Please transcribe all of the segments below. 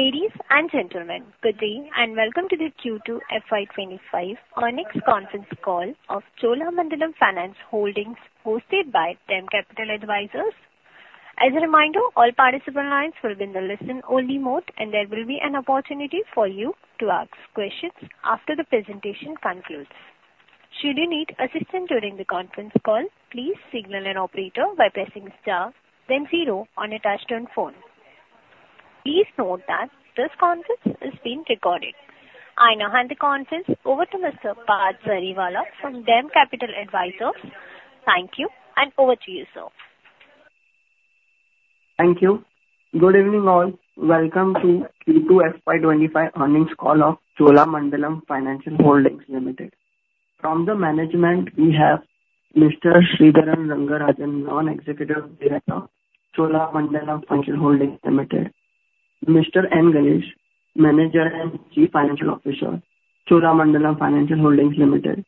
Ladies and gentlemen, good day and welcome to the Q2 FY 2025 earnings Conference call of Cholamandalam Financial Holdings, hosted by DAM Capital Advisors. As a reminder, all participant lines will be in the listen-only mode, and there will be an opportunity for you to ask questions after the presentation concludes. Should you need assistance during the conference call, please signal an operator by pressing star, then zero on a touch-tone phone. Please note that this conference is being recorded. I now hand the conference over to Mr. Parth Jariwala from DAM Capital Advisors. Thank you, and over to you, sir. Thank you. Good evening, all. Welcome to Q2 FY 2025 earnings call of Cholamandalam Financial Holdings Limited. From the management, we have Mr. Sridharan Rangarajan, Non-Executive Director, Cholamandalam Financial Holdings Limited. Mr. N. Ganesh, Manager and Chief Financial Officer, Cholamandalam Financial Holdings Limited.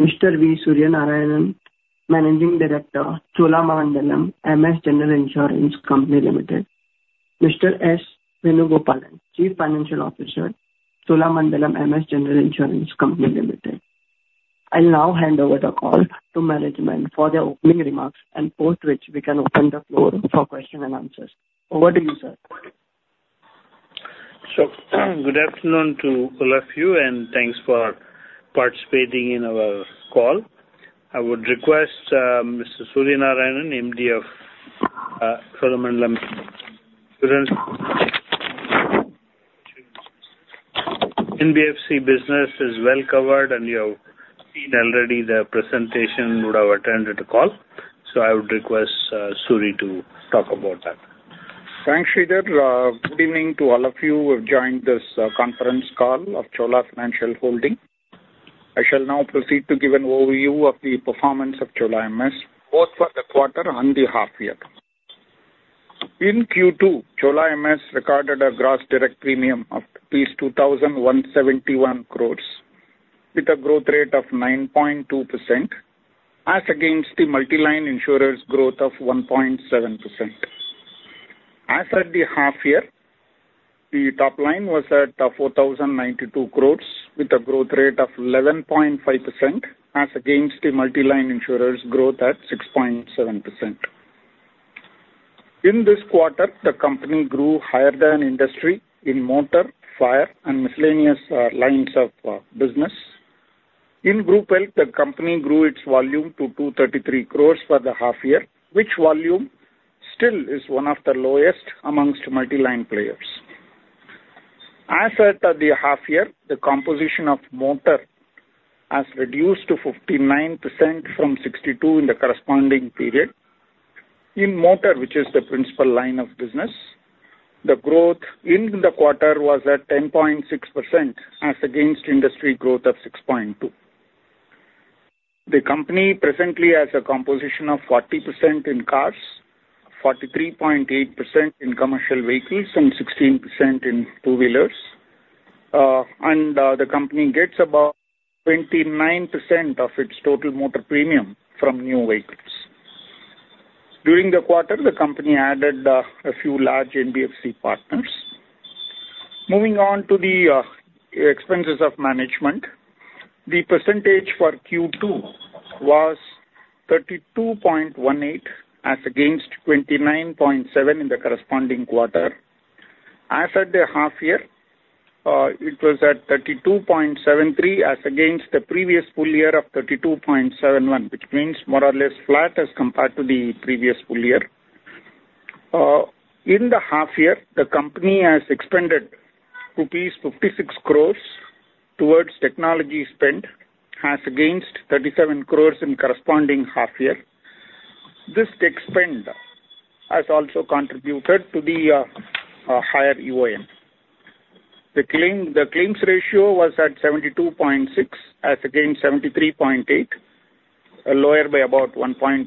Mr. V. Suryanarayanan, Managing Director, Cholamandalam MS General Insurance Company Limited. Mr. S. Venugopalan, Chief Financial Officer, Cholamandalam MS General Insurance Company Limited. I'll now hand over the call to management for their opening remarks and after which we can open the floor for questions and answers. Over to you, sir. Good afternoon to all of you, and thanks for participating in our call. I would request Mr. Suryanarayanan, MD of Cholamandalam Financial Holdings. NBFC business is well covered, and you have seen already the presentation. You would have attended the call. I would request Suri to talk about that. Thanks, Sridharan. Good evening to all of you who have joined this conference call of Cholamandalam Financial Holdings. I shall now proceed to give an overview of the performance of Cholamandalam Financial Holdings both for the quarter and the half-year. In Q2, Cholamandalam Financial Holdings recorded a gross direct premium of 2,171 crores with a growth rate of 9.2%, as against the multi-line insurers' growth of 1.7%. As at the half-year, the top line was at 4,092 crores with a growth rate of 11.5%, as against the multi-line insurers' growth at 6.7%. In this quarter, the company grew higher than industry in motor, fire, and miscellaneous lines of business. In group health, the company grew its volume to 233 crores for the half-year, which volume still is one of the lowest amongst multi-line players. As at the half-year, the composition of motor has reduced to 59% from 62% in the corresponding period. In motor, which is the principal line of business, the growth in the quarter was at 10.6%, as against industry growth of 6.2%. The company presently has a composition of 40% in cars, 43.8% in commercial vehicles, and 16% in two-wheelers, and the company gets about 29% of its total motor premium from new vehicles. During the quarter, the company added a few large NBFC partners. Moving on to the expenses of management, the percentage for Q2 was 32.18%, as against 29.7% in the corresponding quarter. As at the half-year, it was at 32.73%, as against the previous full year of 32.71%, which means more or less flat as compared to the previous full year. In the half-year, the company has expended rupees 56 crores towards technology spend, as against 37 crores in corresponding half-year. This expend has also contributed to the higher EOM. The claims ratio was at 72.6%, as against 73.8%, lower by about 1.2%.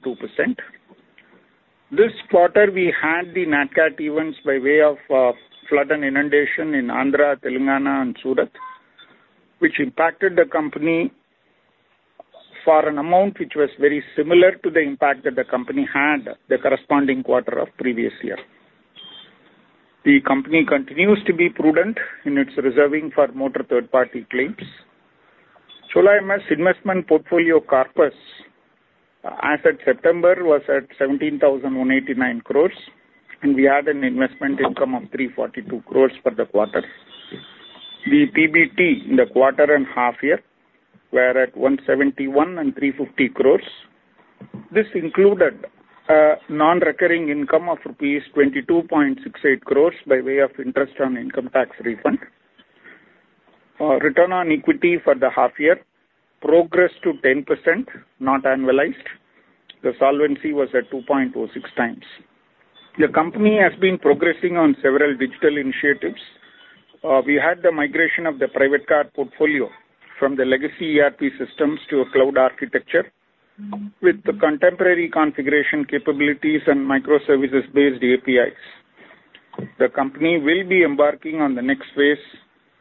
This quarter, we had the NATCAT events by way of flood and inundation in Andhra, Telangana, and Surat, which impacted the company for an amount which was very similar to the impact that the company had the corresponding quarter of previous year. The company continues to be prudent in its reserving for motor third-party claims. Cholamandalam Financial Holdings' investment portfolio corpus, as at September, was at 17,189 crores, and we had an investment income of 342 crores for the quarter. The PBT in the quarter and half-year were at 171 and 350 crores. This included a non-recurring income of INR 22.68 crores by way of interest on income tax refund. Return on equity for the half-year progressed to 10%, not annualized. The solvency was at 2.06 times. The company has been progressing on several digital initiatives. We had the migration of the private car portfolio from the legacy ERP systems to a cloud architecture with the contemporary configuration capabilities and microservices-based APIs. The company will be embarking on the next phase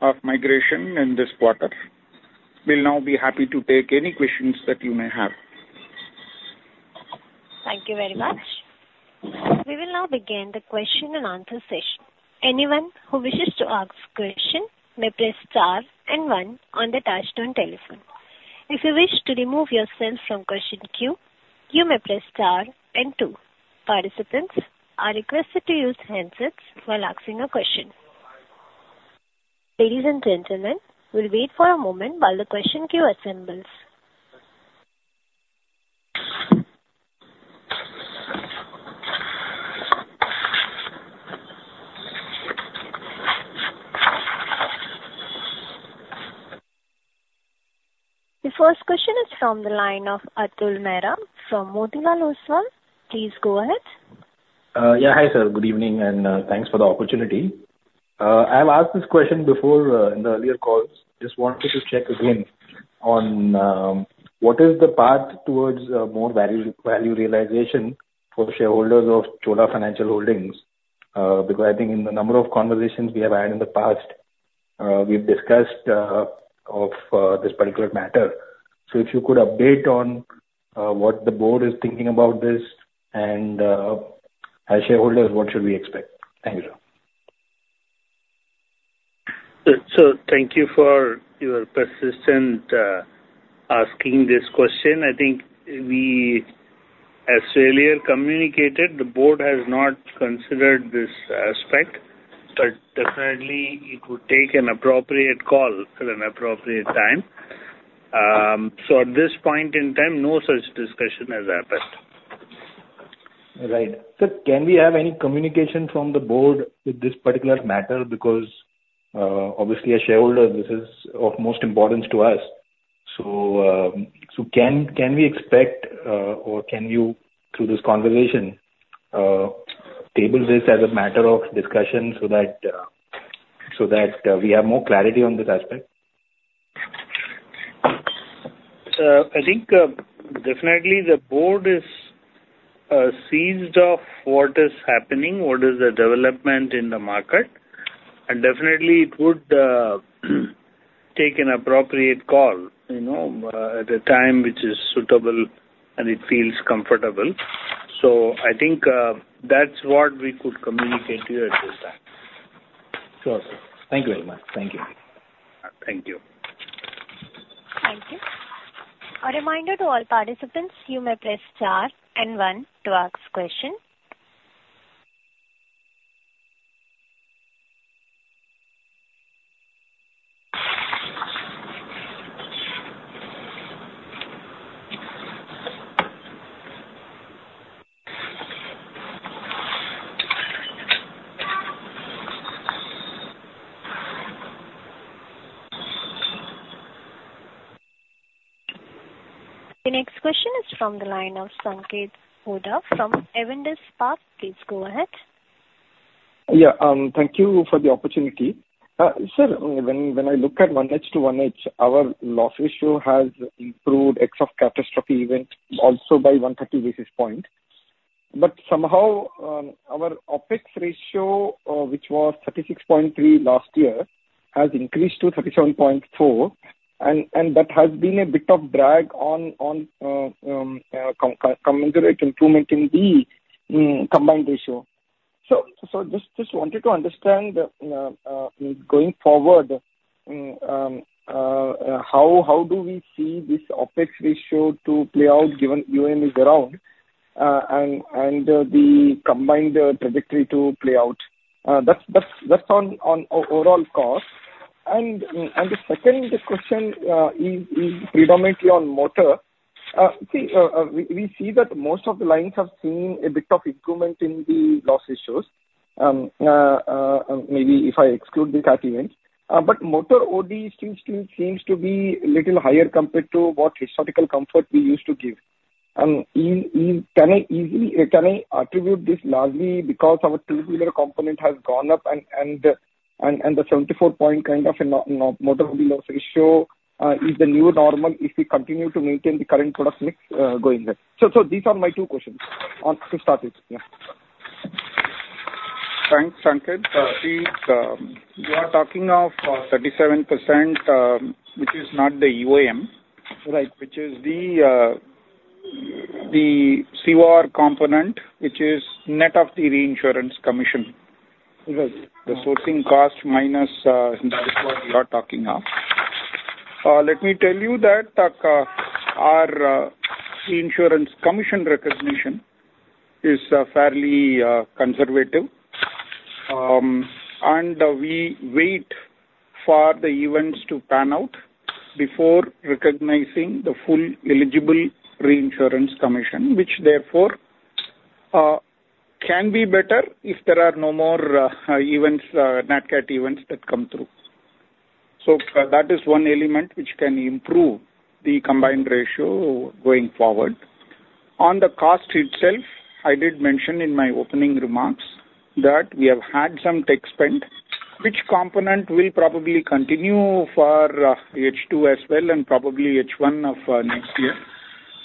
of migration in this quarter. We'll now be happy to take any questions that you may have. Thank you very much. We will now begin the question and answer session. Anyone who wishes to ask a question may press star and one on the touch-tone telephone. If you wish to remove yourself from question queue, you may press star and two. Participants are requested to use handsets while asking a question. Ladies and gentlemen, we'll wait for a moment while the question queue assembles. The first question is from the line of Atul Mehra from Motilal Oswal. Please go ahead. Yeah, hi sir. Good evening and thanks for the opportunity. I've asked this question before in the earlier calls. Just wanted to check again on what is the path towards more value realization for shareholders of Cholamandalam Financial Holdings because I think in the number of conversations we have had in the past, we've discussed this particular matter. So if you could update on what the board is thinking about this and as shareholders, what should we expect? Thank you, sir. Sir, thank you for your persistently asking this question. I think we have fully communicated, the board has not considered this aspect, but definitely it would take an appropriate call at an appropriate time. So at this point in time, no such discussion has happened. Right. Sir, can we have any communication from the board with this particular matter because obviously a shareholder, this is of most importance to us? So can we expect or can you, through this conversation, table this as a matter of discussion so that we have more clarity on this aspect? I think definitely the board is seized of what is happening, what is the development in the market, and definitely it would take an appropriate call at a time which is suitable and it feels comfortable, so I think that's what we could communicate to you at this time. Sure. Thank you very much. Thank you. Thank you. Thank you. A reminder to all participants, you may press star and one to ask question. The next question is from the line of Sanketh Godha from Avendus Spark. Please go ahead. Yeah, thank you for the opportunity. Sir, when I look at year on year, our loss ratio has improved except for catastrophe events also by 130 basis points. But somehow our OpEx ratio, which was 36.3% last year, has increased to 37.4%, and that has been a bit of drag on commensurate improvement in the combined ratio. So just wanted to understand going forward, how do we see this OpEx ratio to play out given EOM is around and the combined trajectory to play out? That's on overall cost. And the second question is predominantly on motor. We see that most of the lines have seen a bit of improvement in the loss ratios, maybe if I exclude the CAT event. But motor OD still seems to be a little higher compared to what historical comfort we used to give. Can I attribute this largely because our two-wheeler component has gone up and the 74-point kind of four-wheeler loss ratio is the new normal if we continue to maintain the current product mix going there? So these are my two questions to start with. Thanks, Sanketh. You are talking of 37%, which is not the EOM, which is the COR component, which is net of the reinsurance commission. The sourcing cost minus that is what you are talking of. Let me tell you that our reinsurance commission recognition is fairly conservative, and we wait for the events to pan out before recognizing the full eligible reinsurance commission, which therefore can be better if there are no more NATCAT events that come through. So that is one element which can improve the combined ratio going forward. On the cost itself, I did mention in my opening remarks that we have had some tech spend, which component will probably continue for H2 as well and probably H1 of next year.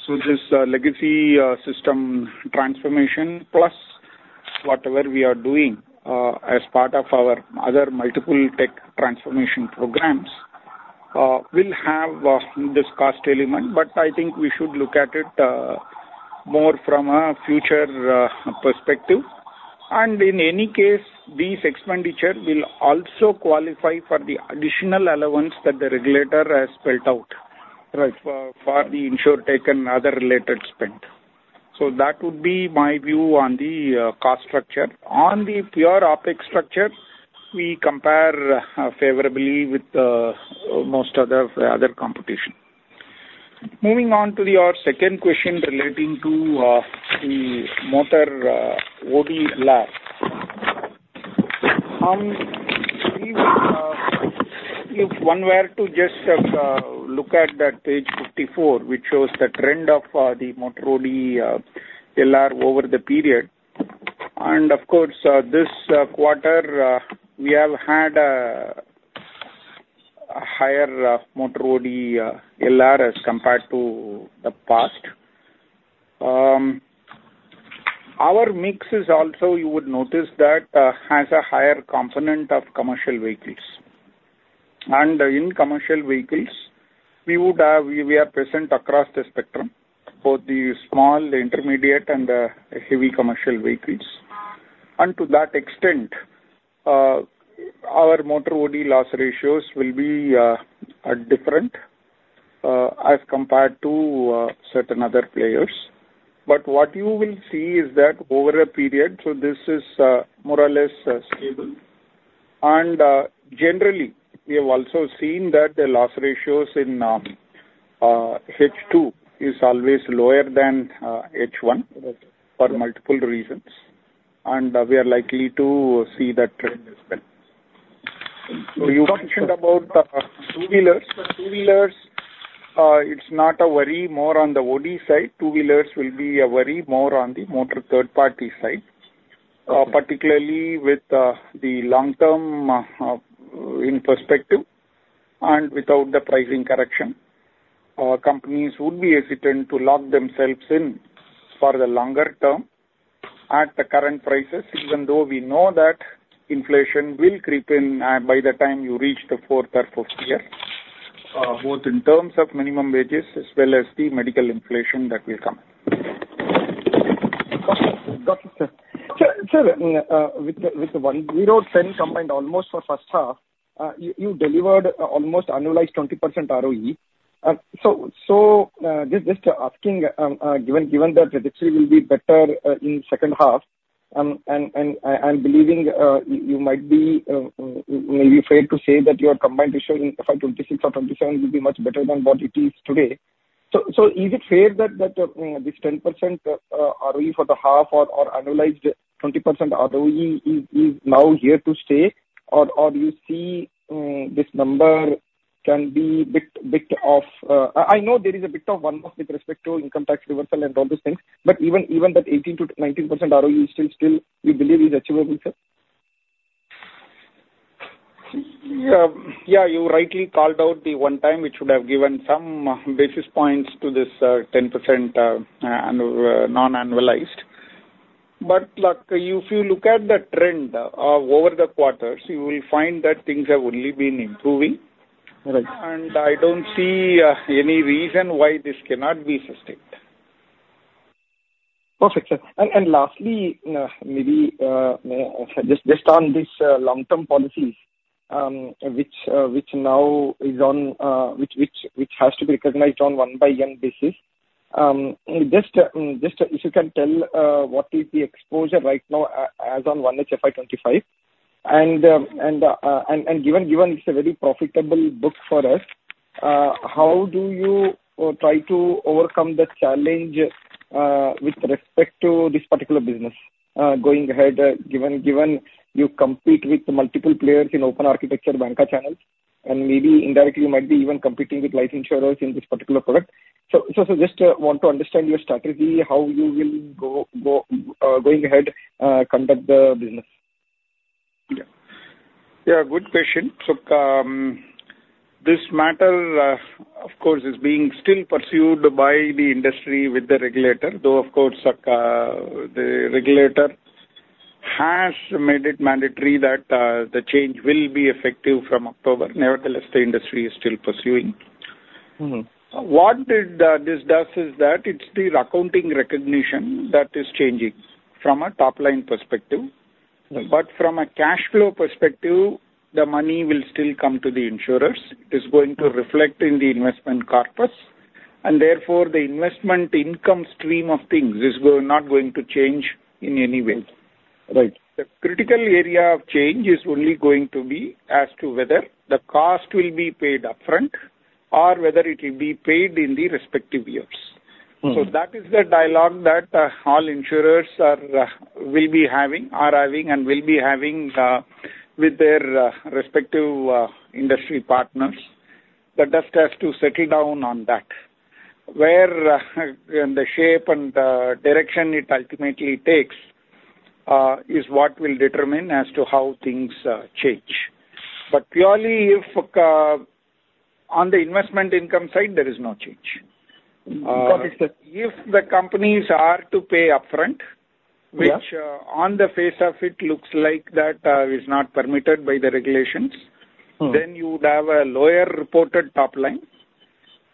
This legacy system transformation plus whatever we are doing as part of our other multiple tech transformation programs will have this cost element, but I think we should look at it more from a future perspective, and in any case, these expenditures will also qualify for the additional allowance that the regulator has spelled out for the insurtech and other related spend. On the pure OpEx structure, we compare favorably with most other competition, so that would be my view on the cost structure. Moving on to your second question relating to the motor OD LR, if one were to just look at that page 54, which shows the trend of the motor OD LAR over the period, and of course, this quarter, we have had a higher motor OD LR as compared to the past. Our mix is also, you would notice that has a higher component of commercial vehicles. And in commercial vehicles, we are present across the spectrum, both the small, intermediate, and heavy commercial vehicles. And to that extent, our motor OD loss ratios will be different as compared to certain other players. But what you will see is that over a period, so this is more or less stable. And generally, we have also seen that the loss ratios in H2 is always lower than H1 for multiple reasons, and we are likely to see that trend as well. So you mentioned about two-wheelers. Two-wheelers, it's not a worry more on the OD side. Two-wheelers will be a worry more on the motor third-party side, particularly with the long-term in perspective and without the pricing correction. Companies would be hesitant to lock themselves in for the longer term at the current prices, even though we know that inflation will creep in by the time you reach the fourth or fifth year, both in terms of minimum wages as well as the medical inflation that will come. Got it, sir. Sir, with the 101 combined almost for first half, you delivered almost annualized 20% ROE. So just asking, given that the trajectory will be better in the second half, and I'm believing you might be maybe afraid to say that your combined ratio in FY 2026 or FY 2027 will be much better than what it is today. So is it fair that this 10% ROE for the half or annualized 20% ROE is now here to stay, or you see this number can be a bit of I know there is a bit of one-off with respect to income tax reversal and all those things, but even that 18%-19% ROE still we believe is achievable, sir? Yeah, you rightly called out the one time which would have given some basis points to this 10% non-annualized. But if you look at the trend over the quarters, you will find that things have only been improving, and I don't see any reason why this cannot be sustained. Perfect, sir. And lastly, maybe just on these long-term policies, which now has to be recognized on one-by-one basis, just if you can tell what is the exposure right now as on 1st August FY 2025. And given it's a very profitable book for us, how do you try to overcome the challenge with respect to this particular business going ahead, given you compete with multiple players in open architecture bancassurance channels, and maybe indirectly you might be even competing with life insurers in this particular product? So just want to understand your strategy, how you will going ahead conduct the business. Yeah, good question. So this matter, of course, is being still pursued by the industry with the regulator, though of course the regulator has made it mandatory that the change will be effective from October. Nevertheless, the industry is still pursuing. What this does is that it's the accounting recognition that is changing from a top-line perspective. But from a cash flow perspective, the money will still come to the insurers. It is going to reflect in the investment corpus, and therefore the investment income stream of things is not going to change in any way. The critical area of change is only going to be as to whether the cost will be paid upfront or whether it will be paid in the respective years. So that is the dialogue that all insurers will be having, are having, and will be having with their respective industry partners. The dust has to settle down on that. Where the shape and direction it ultimately takes is what will determine as to how things change. But purely if on the investment income side, there is no change. If the companies are to pay upfront, which on the face of it looks like that is not permitted by the regulations, then you would have a lower reported top line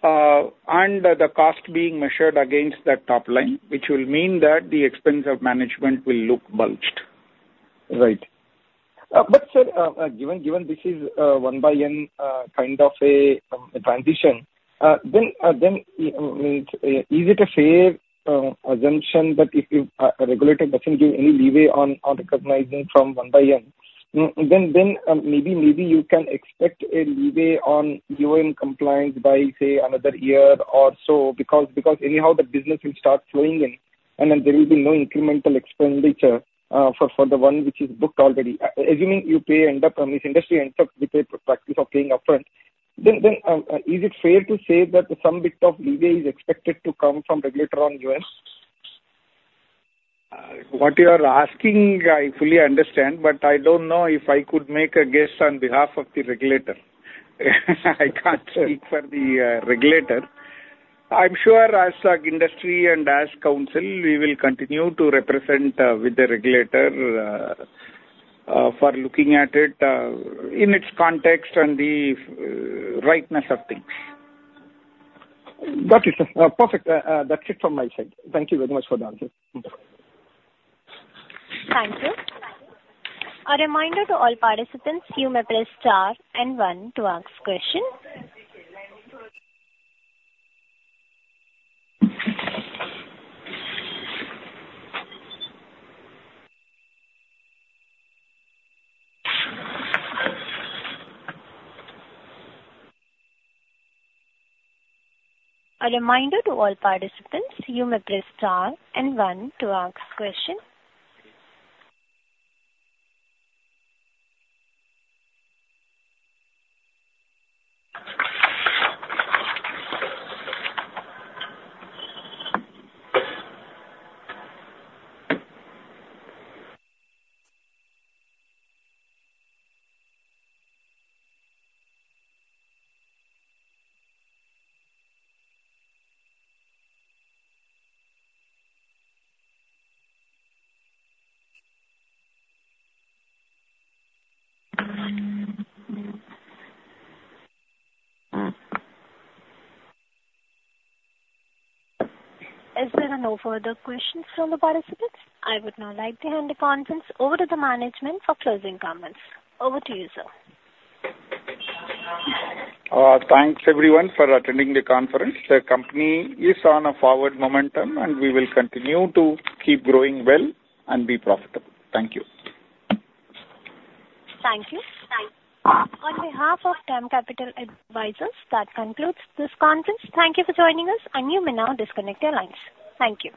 and the cost being measured against that top line, which will mean that the expense of management will look bulged. Right. But sir, given this is one-by-one kind of a transition, then is it a fair assumption that if a regulator doesn't give any leeway on recognizing from one-by-one, then maybe you can expect a leeway on EOM compliance by, say, another year or so because anyhow the business will start flowing in, and then there will be no incremental expenditure for the one which is booked already. Assuming you end up, this industry ends up with a practice of paying upfront, then is it fair to say that some bit of leeway is expected to come from regulator on EOM? What you are asking, I fully understand, but I don't know if I could make a guess on behalf of the regulator. I can't speak for the regulator. I'm sure as an industry and as council, we will continue to represent with the regulator for looking at it in its context and the rightness of things. Got it, sir. Perfect. That's it from my side. Thank you very much for the answer. Thank you. A reminder to all participants, you may press star and one to ask question. Is there no further questions from the participants? I would now like to hand the conference over to the management for closing comments. Over to you, sir. Thanks everyone for attending the conference. The company is on a forward momentum, and we will continue to keep growing well and be profitable. Thank you. Thank you. On behalf of DAM Capital Advisors, that concludes this conference. Thank you for joining us, and you may now disconnect your lines. Thank you.